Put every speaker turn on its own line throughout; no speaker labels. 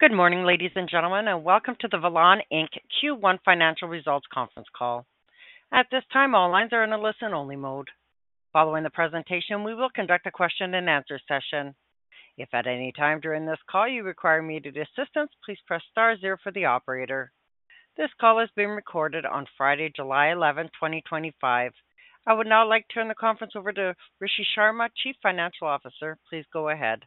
Good morning, ladies and gentlemen, and welcome to the Velan Inc Q1 Financial Results Conference Call. At this time, all lines are in a listen-only mode. Following the presentation, we will conduct a question and answer session. If at any time during this call you require immediate assistance, please press star zero for the operator. This call is being recorded on Friday, July 11th 2025. I would now like to turn the conference over to Rishi Sharma, Chief Financial Officer. Please go ahead.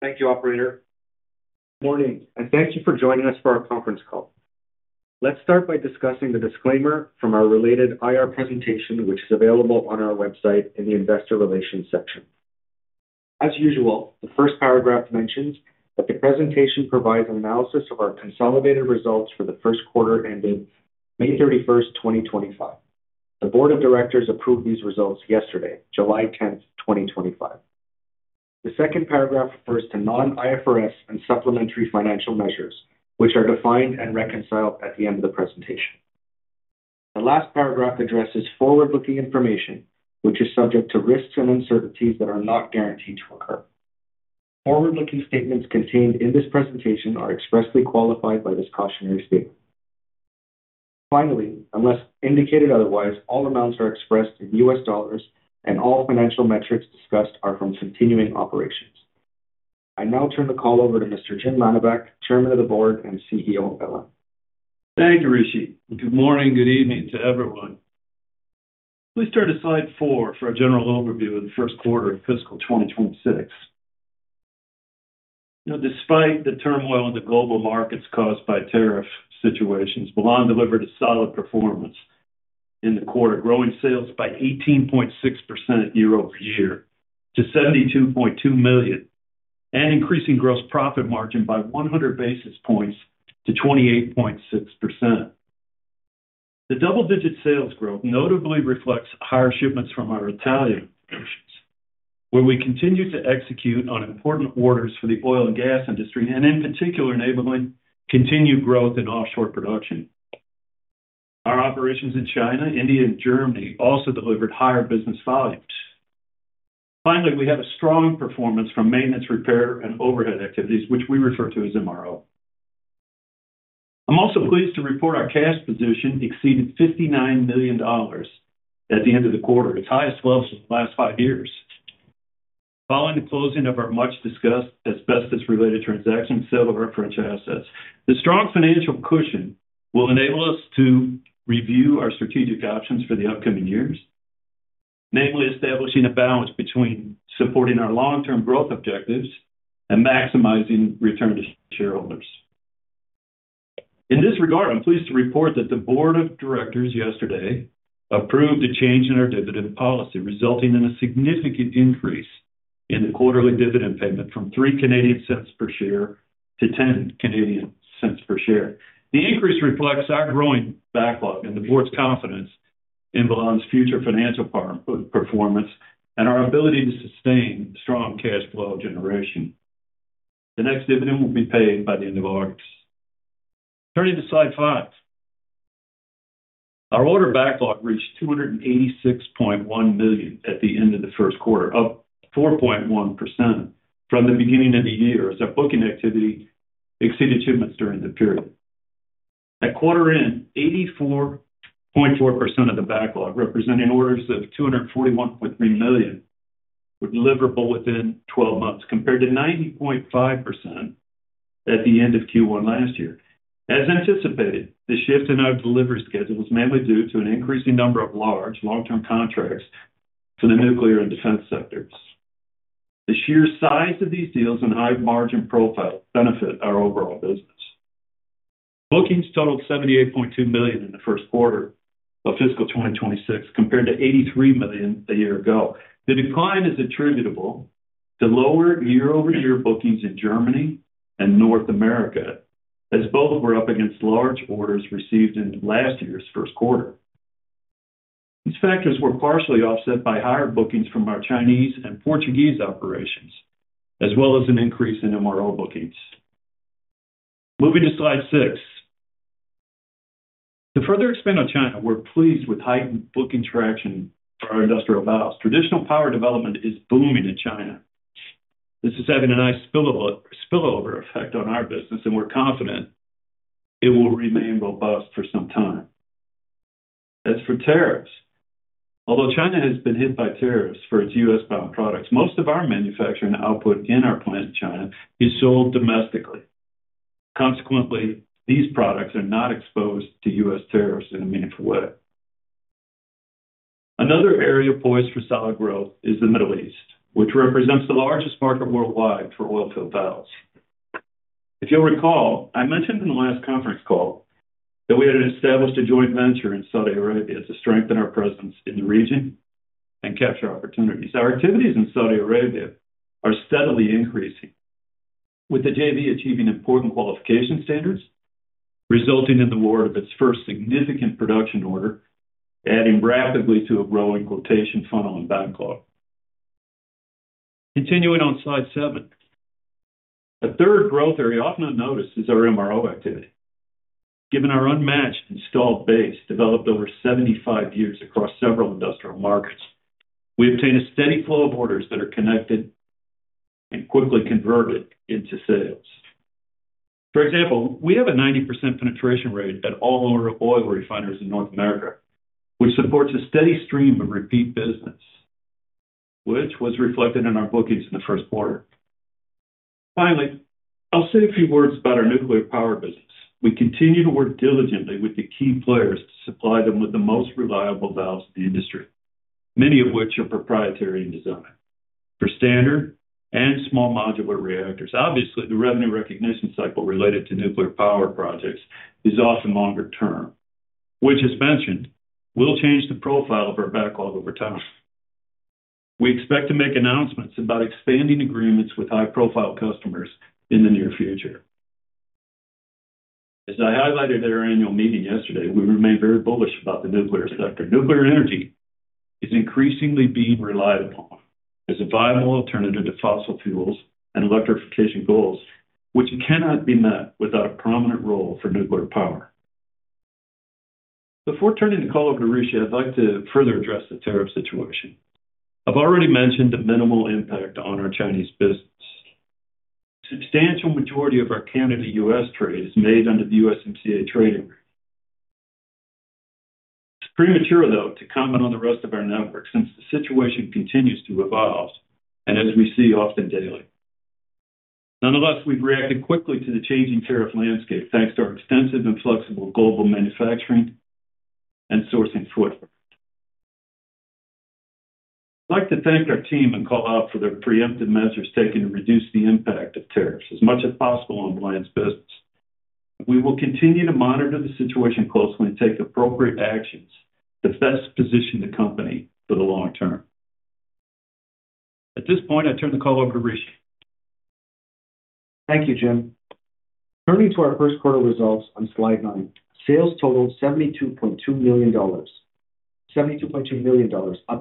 Thank you, Operator. Morning, and thank you for joining us for our conference call. Let's start by discussing the disclaimer from our related IR presentation, which is available on our website in the Investor Relations section. As usual, the first paragraph mentions that the presentation provides an analysis of our consolidated results for the first quarter ended May 31st 2025. The Board of Directors approved these results yesterday, July 10th 2025. The second paragraph refers to non-IFRS and supplementary financial measures, which are defined and reconciled at the end of the presentation. The last paragraph addresses forward-looking information, which is subject to risks and uncertainties that are not guaranteed to occur. Forward-looking statements contained in this presentation are expressly qualified by this cautionary statement. Finally, unless indicated otherwise, all amounts are expressed in U.S. dollars, and all financial metrics discussed are from continuing operations. I now turn the call over to Mr. Jim Mannebach, Chairman of the Board and CEO of Velan.
Thank you, Rishi. Good morning, good evening to everyone. Please turn to slide four for a general overview of the first quarter of fiscal 2026. Now, despite the turmoil in the global markets caused by tariff situations, Velan delivered a solid performance in the quarter, growing sales by 18.6% year-over-year to $72.2 million and increasing gross profit margin by 100 basis points to 28.6%. The double-digit sales growth notably reflects higher shipments from our Italian operations, where we continue to execute on important orders for the oil and gas industry, and in particular, enabling continued growth in offshore production. Our operations in China, India, and Germany also delivered higher business volumes. Finally, we have a strong performance from maintenance, repair, and overhaul activities, which we refer to as MRO. I'm also pleased to report our cash position exceeded $59 million at the end of the quarter, its highest level in the last five years. Following the closing of our much-discussed asbestos-related transaction sale of our French assets, the strong financial cushion will enable us to review our strategic options for the upcoming years, namely establishing a balance between supporting our long-term growth objectives and maximizing return to shareholders. In this regard, I'm pleased to report that the Board of Directors yesterday approved a change in our dividend policy, resulting in a significant increase in the quarterly dividend payment from 0.03 per share to 0.10 per share. The increase reflects our growing backlog and the Board's confidence in Velan's future financial performance and our ability to sustain strong cash flow generation. The next dividend will be paid by the end of August. Turning to slide five, our order backlog reached $286.1 million at the end of the first quarter, up 4.1% from the beginning of the year, as our booking activity exceeded two months during that period. At quarter end, 84.4% of the backlog represented orders of $241.3 million, with deliverable within 12 months, compared to 90.5% at the end of Q1 last year. As anticipated, the shift in our delivery schedule was mainly due to an increasing number of large long-term contracts for the nuclear and defense sectors. The sheer size of these deals and high margin profile benefit our overall business. Bookings totaled $78.2 million in the first quarter of fiscal 2026, compared to $83 million a year ago. The decline is attributable to lower year-over-year bookings in Germany and North America, as both were up against large orders received in last year's first quarter. These factors were partially offset by higher bookings from our Chinese and Portuguese operations, as well as an increase in MRO bookings. Moving to slide six, to further expand on China, we're pleased with heightened booking traction for our industrial valves. Traditional power development is booming in China. This is having a nice spillover effect on our business, and we're confident it will remain robust for some time. As for tariffs, although China has been hit by tariffs for its U.S.-bound products, most of our manufacturing output in our plant in China is sold domestically. Consequently, these products are not exposed to U.S. tariffs in a meaningful way. Another area poised for solid growth is the Middle East, which represents the largest market worldwide for oil-filled valves. If you'll recall, I mentioned in the last conference call that we had established a joint venture in Saudi Arabia to strengthen our presence in the region and capture opportunities. Our activities in Saudi Arabia are steadily increasing, with the JV achieving important qualification standards, resulting in the award of its first significant production order, adding rapidly to a growing quotation funnel and backlog. Continuing on slide seven, a third growth area often unnoticed is our MRO activity. Given our unmatched installed base developed over 75 years across several industrial markets, we obtain a steady flow of orders that are connected and quickly converted into sales. For example, we have a 90% penetration rate at all our oil refineries in North America, which supports a steady stream of repeat business, which was reflected in our bookings in the first quarter. Finally, I'll say a few words about our nuclear power business. We continue to work diligently with the key players to supply them with the most reliable valves in the industry, many of which are proprietary in design. For standard and small modular reactors, obviously, the revenue recognition cycle related to nuclear power projects is often longer term, which, as mentioned, will change the profile of our backlog over time. We expect to make announcements about expanding agreements with high-profile customers in the near future. As I highlighted at our annual meeting yesterday, we remain very bullish about the nuclear sector. Nuclear energy is increasingly being reliable as a viable alternative to fossil fuels and electrification goals, which cannot be met without a prominent role for nuclear power. Before turning the call over to Rishi, I'd like to further address the tariff situation. I've already mentioned the minimal impact on our Chinese business. A substantial majority of our Canada-U.S. trade is made under the USMCA trading regime. It's premature, though, to comment on the rest of our network since the situation continues to evolve, and as we see often daily. Nonetheless, we've reacted quickly to the changing tariff landscape thanks to our extensive and flexible global manufacturing and sourcing footprint. I'd like to thank our team and call out for their preemptive measures taken to reduce the impact of tariffs as much as possible on the line's business. We will continue to monitor the situation closely and take appropriate actions to best position the company for the long term. At this point, I turn the call over to Rishi.
Thank you, Jim. Turning to our first quarter results on slide nine, sales totaled $72.2 million, up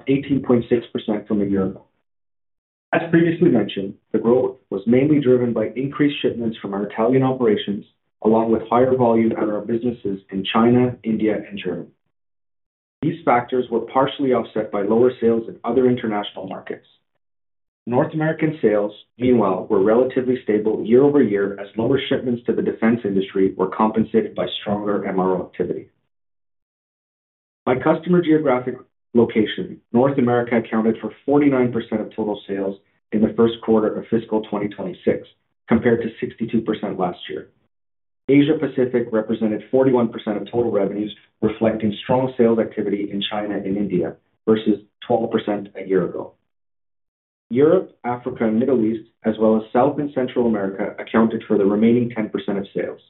18.6% from a year ago. As previously mentioned, the growth was mainly driven by increased shipments from our Italian operations, along with higher volume at our businesses in China, India, and Germany. These factors were partially offset by lower sales in other international markets. North American sales, meanwhile, were relatively stable year-over-year as lower shipments to the defense industry were compensated by stronger MRO activity. By customer geographic location, North America accounted for 49% of total sales in the first quarter of fiscal 2026, compared to 62% last year. Asia Pacific represented 41% of total revenues, reflecting strong sales activity in China and India versus 12% a year ago. Europe, Africa, and the Middle East, as well as South and Central America, accounted for the remaining 10% of sales.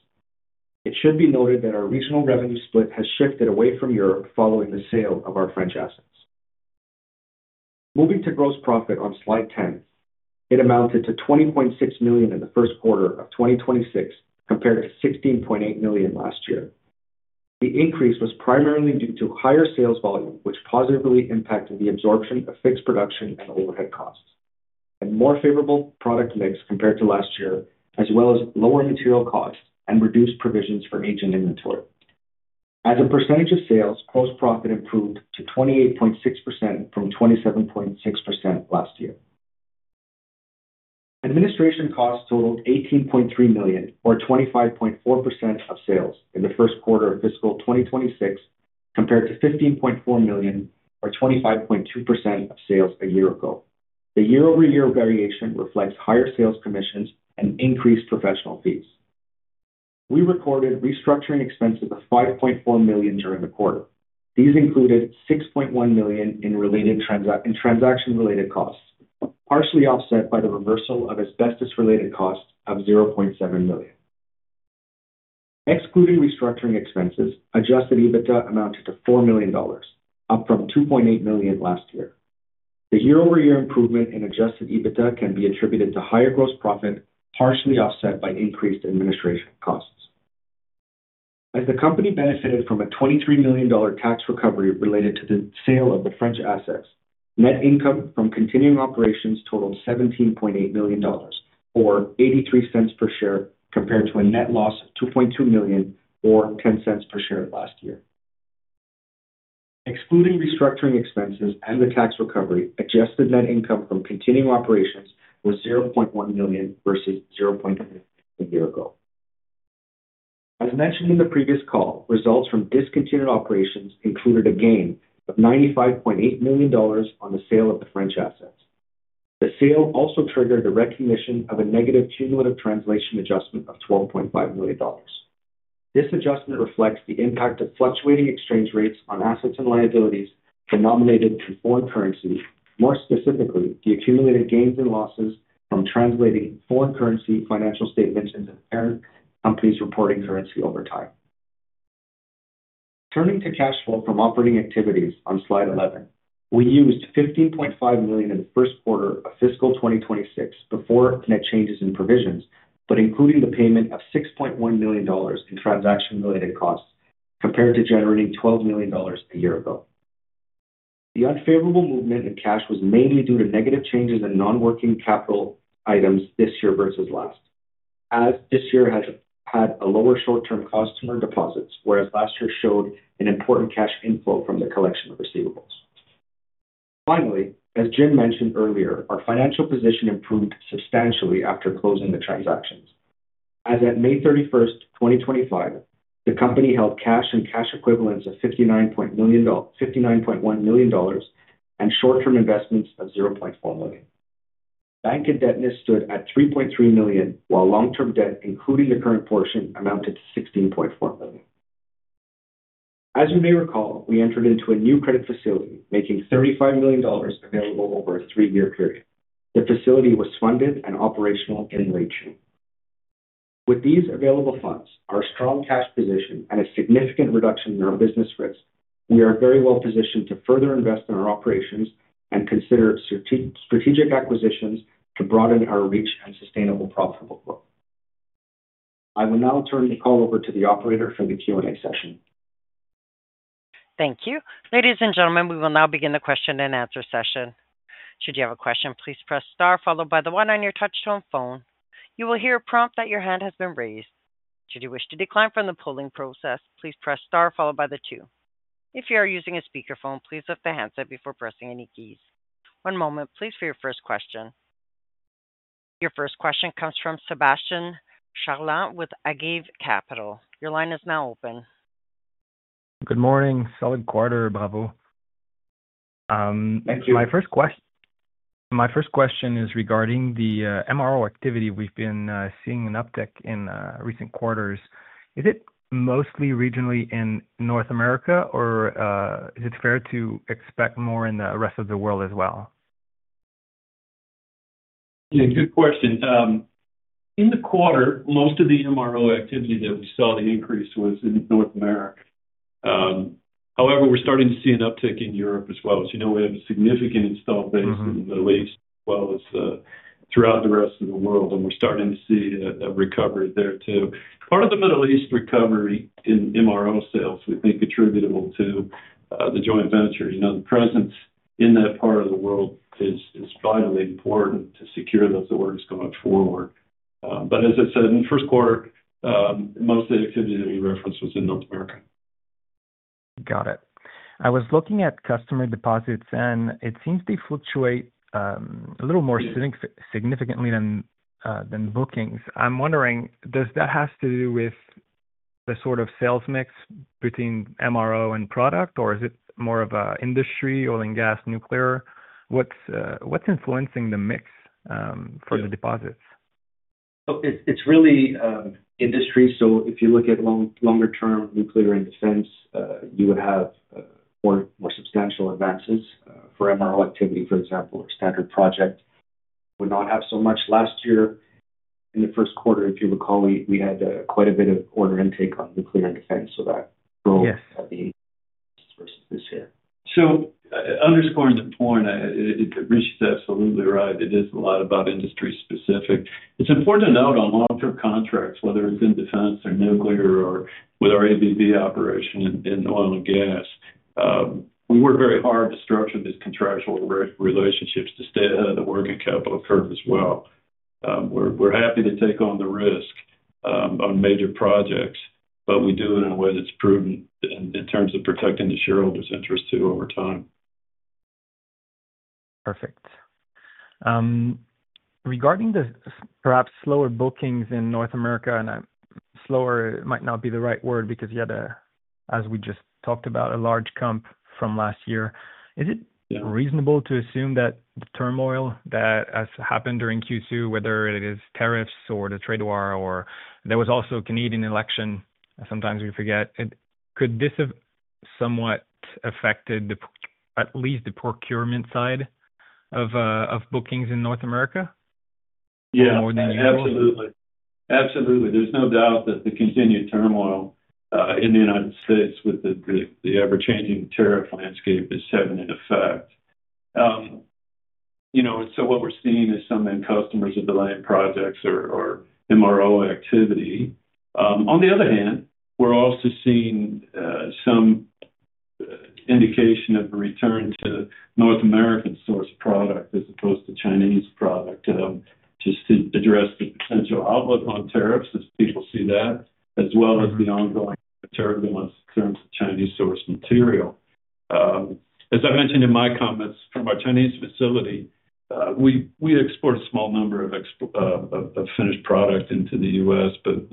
It should be noted that our regional revenue split has shifted away from Europe following the sale of our French assets. Moving to gross profit on slide 10, it amounted to $20.6 million in the first quarter of 2026, compared to $16.8 million last year. The increase was primarily due to higher sales volume, which positively impacted the absorption of fixed production and overhead costs, and more favorable product mix compared to last year, as well as lower material costs and reduced provisions for aging inventory. As a percentage of sales, gross profit improved to 28.6% from 27.6% last year. Administration costs totaled $18.3 million, or 25.4% of sales in the first quarter of fiscal 2026, compared to $15.4 million, or 25.2% of sales a year ago. The year-over-year variation reflects higher sales commissions and increased professional fees. We recorded restructuring expenses of $5.4 million during the quarter. These included $6.1 million in transaction-related costs, partially offset by the reversal of asbestos-related costs of $0.7 million. Excluding restructuring expenses, adjusted EBITDA amounted to $4 million, up from $2.8 million last year. The year-over-year improvement in adjusted EBITDA can be attributed to higher gross profit, partially offset by increased administration costs. As the company benefited from a $23 million tax recovery related to the sale of the French assets, net income from continuing operations totaled $17.8 million, or $0.83 per share, compared to a net loss of $2.2 million, or $0.10 per share last year. Excluding restructuring expenses and the tax recovery, adjusted net income from continuing operations was $0.1 million versus $0.9 million a year ago. As mentioned in the previous call, results from discontinued operations included a gain of $95.8 million on the sale of the French assets. The sale also triggered the recognition of a negative cumulative translation adjustment of $12.5 million. This adjustment reflects the impact of fluctuating exchange rates on assets and liabilities for nominated and foreign currencies, more specifically the accumulated gains and losses from translating foreign currency financial statements into the company's reporting currency over time. Turning to cash flow from operating activities on slide 11, we used $15.5 million in the first quarter of fiscal 2026 before net changes in provisions, but including the payment of $6.1 million in transaction-related costs, compared to generating $12 million a year ago. The unfavorable movement in cash was mainly due to negative changes in non-working capital items this year versus last. This year has had a lower short-term cost to earn deposits, whereas last year showed an important cash inflow from the collection of receivables. Finally, as Jim mentioned earlier, our financial position improved substantially after closing the transactions. As at May 31st 2025, the company held cash and cash equivalents of $59.1 million and short-term investments of $0.4 million. Bank indebtedness stood at $3.3 million, while long-term debt, including the current portion, amounted to $16.4 million. As you may recall, we entered into a new credit facility, making $35 million available over a three-year period. The facility was funded and operational in late June. With these available funds, our strong cash position, and a significant reduction in our business risk, we are very well positioned to further invest in our operations and consider strategic acquisitions to broaden our reach and sustainable profitable growth. I will now turn the call over to the operator for the Q&A session.
Thank you. Ladies and gentlemen, we will now begin the question and answer session. Should you have a question, please press star, followed by the one on your touch-tone phone. You will hear a prompt that your hand has been raised. Should you wish to decline from the polling process, please press star, followed by the two. If you are using a speakerphone, please lift the handset before pressing any keys. One moment, please, for your first question. Your first question comes from Sebastien Charland with Agave Capital. Your line is now open.
Good morning. Solid quarter, bravo. My first question is regarding the MRO activity. We've been seeing an uptick in recent quarters. Is it mostly regionally in North America, or is it fair to expect more in the rest of the world as well?
Yeah, good question. In the quarter, most of the MRO activity that we saw the increase was in North America. However, we're starting to see an uptick in Europe as well. As you know, we have a significant installed base in the Middle East, as well as throughout the rest of the world, and we're starting to see a recovery there too. Part of the Middle East recovery in MRO sales we think is attributable to the joint venture. The presence in that part of the world is finally important to secure the orders going forward. As I said, in the first quarter, most of the activity that we referenced was in North America.
Got it. I was looking at customer deposits, and it seems to fluctuate a little more significantly than bookings. I'm wondering, does that have to do with the sort of sales mix between MRO and product, or is it more of an industry, oil and gas, nuclear? What's influencing the mix for the deposits?
It's really industry. If you look at longer-term nuclear and defense, you would have more substantial advances for MRO activity, for example, or standard project. We would not have so much last year. In the first quarter, if you recall, we had quite a bit of order intake on nuclear and defense, so that role has been less for us this year.
I understand, and Rishi is absolutely right. It is a lot about industry specific. It's important to note on long-term contracts, whether it's in defense or nuclear or with our ABB operation in oil and gas, we work very hard to structure these contractual relationships to stay ahead of the working capital curve as well. We're happy to take on the risk on major projects, but we do it in a way that's prudent in terms of protecting the shareholders' interests too over time.
Perfect. Regarding the perhaps slower bookings in North America, and slower might not be the right word because you had a, as we just talked about, a large comp from last year. Is it reasonable to assume that the turmoil that has happened during Q2, whether it is tariffs or the trade war, or there was also a Canadian election, sometimes we forget, could this have somewhat affected at least the procurement side of bookings in North America?
Yeah, absolutely. There's no doubt that the continued turmoil in the United States with the ever-changing tariff landscape is having an effect. What we're seeing is some end customers are delaying projects or MRO activity. On the other hand, we're also seeing some indication of a return to North American source product as opposed to Chinese product, just to address the potential outlook on tariffs as people see that, as well as the ongoing tariff goings in terms of Chinese sourced material. As I mentioned in my comments from our Chinese facility, we export a small number of finished product into the U.S., but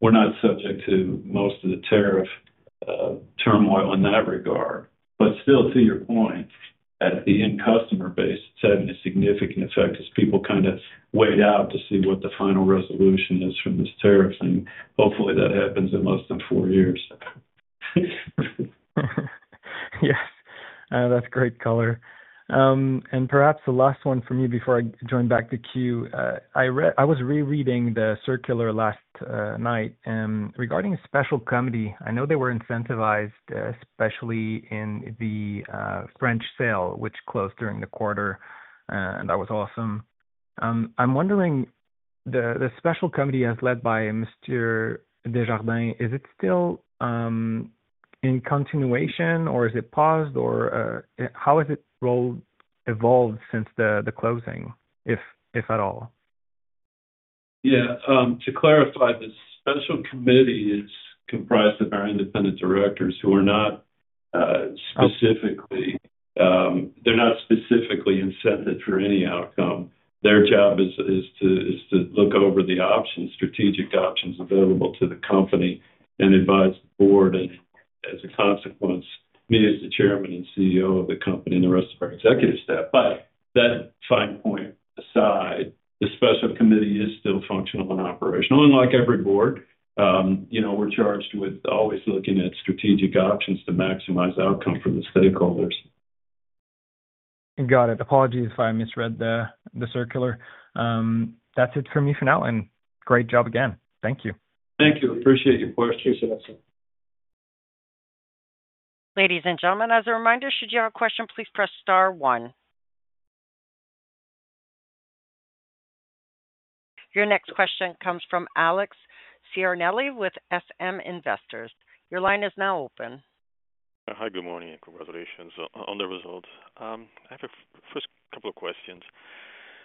we're not subject to most of the tariff turmoil in that regard. Still, to your point, at the end customer base, it's having a significant effect as people kind of wait out to see what the final resolution is from this tariff thing. Hopefully, that happens in less than four years.
Yes, that's great color. Perhaps the last one for me before I join back to queue, I was rereading the circular last night regarding a special committee. I know they were incentivized, especially in the French sale, which closed during the quarter, and that was awesome. I'm wondering, the special committee as led by Mr. Desjardins, is it still in continuation, or is it paused, or how has it evolved since the closing, if at all?
Yeah, to clarify, the special committee is comprised of our independent directors who are not specifically incented for any outcome. Their job is to look over the options, strategic options available to the company, and advise the board as a consequence, me as the Chairman and CEO of the company and the rest of our executive staff. That fine point aside, the special committee is still functional and operational. Like every board, we're charged with always looking at strategic options to maximize outcome for the stakeholders.
Got it. Apologies if I misread the circular. That's it for me for now, and great job again. Thank you.
Thank you. Appreciate your questions.
Ladies and gentlemen, as a reminder, should you have a question, please press star one. Your next question comes from Alex Ciarnelli with SM Investors. Your line is now open.
Hi, good morning, and congratulations on the results. I have a first couple of questions.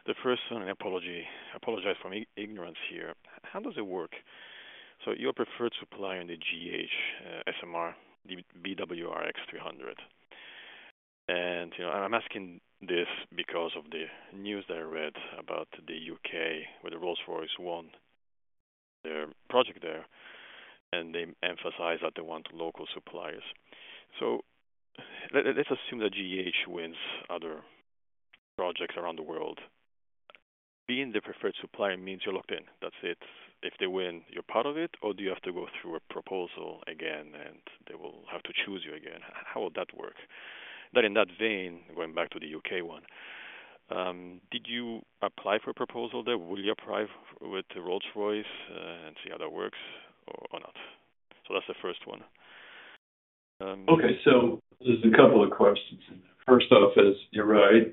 The first, and I apologize for my ignorance here, how does it work? You're preferred supplier in the GEH SMR BWRX-300. I'm asking this because of the news that I read about the U.K. with the Rolls-Royce one, their project there, and they emphasize that they want local suppliers. Let's assume that GE Hitachi wins other projects around the world. Being the preferred supplier means you're locked in, that's it. If they win, you're part of it, or do you have to go through a proposal again and they will have to choose you again? How would that work? In that vein, going back to the U.K. one, did you apply for a proposal there? Will you apply with Rolls-Royce and see how that works or not? That's the first one.
Okay, so there's a couple of questions. First off, as you're right,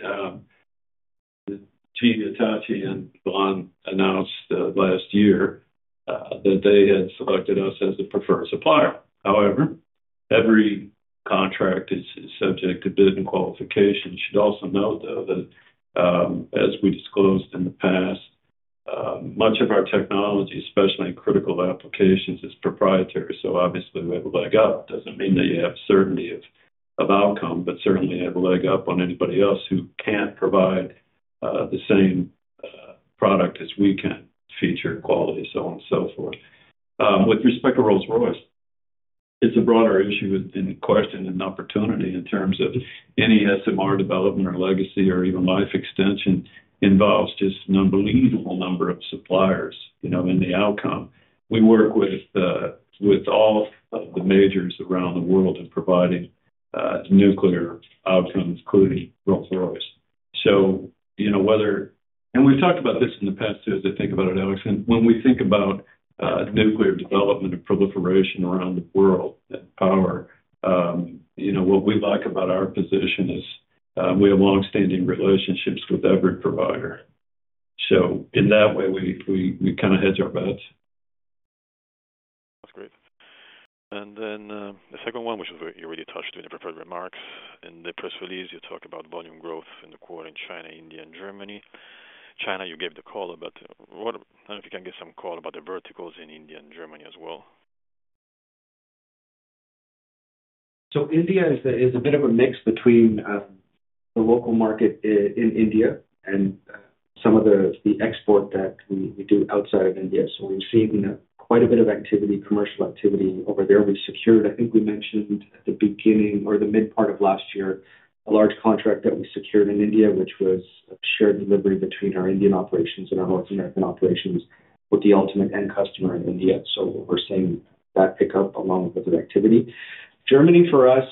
GE Hitachi and BWRX-300 announced last year that they had selected us as the preferred supplier. However, every contract is subject to bid and qualification. You should also note, though, that as we disclosed in the past, much of our technology, especially in critical applications, is proprietary. Obviously, we have a leg up. It doesn't mean that you have certainty of outcome, but certainly have a leg up on anybody else who can't provide the same product as we can, feature, quality, so on and so forth. With respect to Rolls-Royce, it's a broader issue in question and opportunity in terms of any SMR development or legacy or even life extension involves just an unbelievable number of suppliers in the outcome. We work with all of the majors around the world in providing nuclear outcomes, including Rolls-Royce. When we think about this, Alex, and when we think about nuclear development and proliferation around the world, power, what we like about our position is we have longstanding relationships with every provider. In that way, we kind of hedge our bets.
That's great. The second one, which is what you already touched on in your preferred remark, in the press release, you talk about volume growth in the quarter in China, India, and Germany. China, you gave the call, but I don't know if you can give some call about the verticals in India and Germany as well.
India is a bit of a mix between the local market in India and some of the export that we do outside of India. We've seen quite a bit of activity, commercial activity over there. We've secured, I think we mentioned at the beginning or the mid part of last year, a large contract that we secured in India, which was shared delivery between our Indian operations and our North American operations with the ultimate end customer in India. We're seeing that pickup along with the activity. Germany for us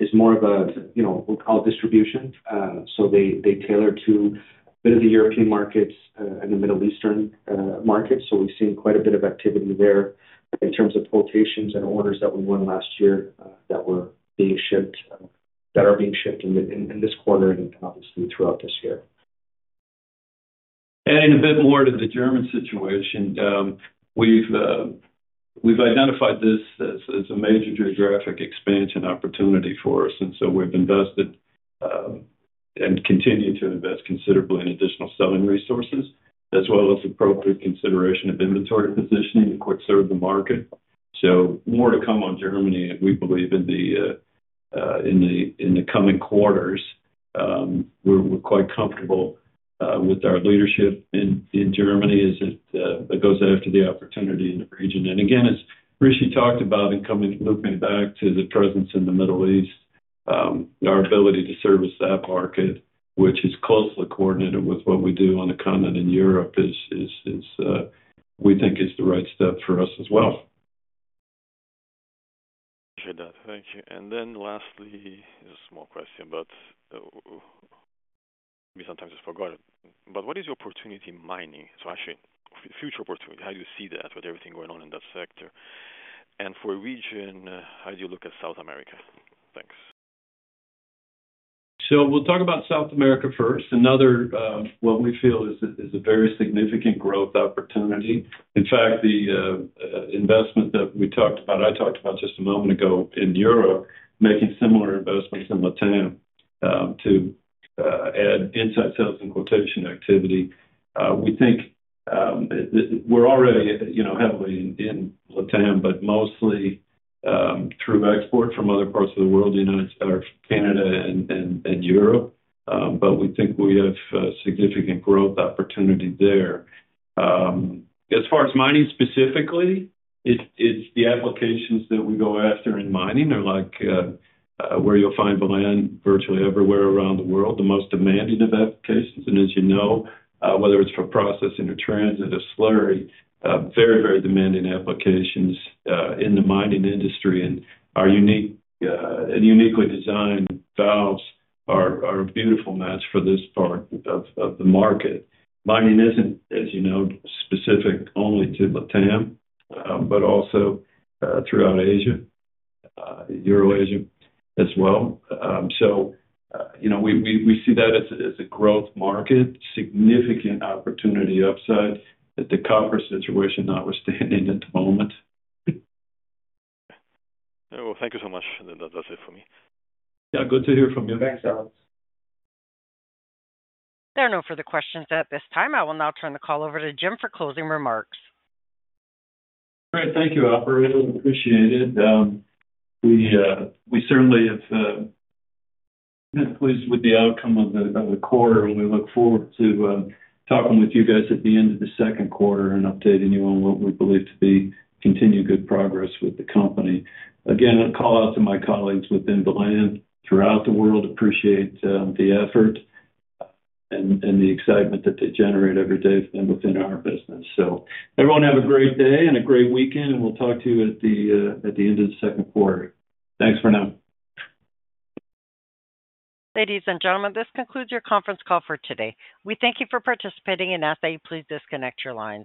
is more of a, you know, I'll call it distribution. They tailor to a bit of the European markets and the Middle Eastern markets. We've seen quite a bit of activity there in terms of quotations and orders that we won last year that were being shipped, that are being shipped in this quarter and obviously throughout this year.
Adding a bit more to the German situation, we've identified this as a major geographic expansion opportunity for us. We've invested and continue to invest considerably in additional selling resources, as well as appropriate consideration of inventory positioning to quick-serve the market. More to come on Germany, we believe, in the coming quarters. We're quite comfortable with our leadership in Germany as it goes after the opportunity in the region. As Rishi talked about, and looping back to the presence in the Middle East, our ability to service that market, which is closely coordinated with what we do on the continent in Europe, is, we think, the right step for us as well.
Thank you. Lastly, a small question, but we sometimes forget, what is your opportunity mining? Actually, future opportunity, how do you see that with everything going on in that sector? For a region, how do you look at South America? Thanks.
We'll talk about South America first. Another one we feel is a very significant growth opportunity. In fact, the investment that we talked about, I talked about just a moment ago in Europe, making similar investments in LATAM to add inside sales and quotation activity. We think we're already, you know, heavily in LATAM, but mostly through export from other parts of the world, the United States, Canada, and Europe. We think we have significant growth opportunity there. As far as mining specifically, it's the applications that we go after in mining. They're like where you'll find Velan virtually everywhere around the world, the most demanding of applications. As you know, whether it's for processing or transit or slurry, very, very demanding applications in the mining industry. Our unique and uniquely designed valves are a beautiful match for this part of the market. Mining isn't, as you know, specific only to LATAM, but also throughout Asia, Eurasia as well. We see that as a growth market, significant opportunity upside at the current situation that we're standing at the moment.
Thank you so much. That's it for me.
Yeah, good to hear from you.
There are no further questions at this time. I will now turn the call over to Jim for closing remarks.
All right, thank you, Operator. I appreciate it. We certainly have been pleased with the outcome of the quarter, and we look forward to talking with you guys at the end of the second quarter and updating you on what we believe to be continued good progress with the company. Again, a call out to my colleagues within Velan throughout the world. Appreciate the effort and the excitement that they generate every day within our business. Everyone have a great day and a great weekend, and we'll talk to you at the end of the second quarter. Thanks for now.
Ladies and gentlemen, this concludes your conference call for today. We thank you for participating and ask that you please disconnect your lines.